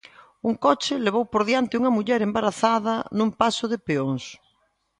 Un coche levou por diante unha muller embarazada nun paso de peóns.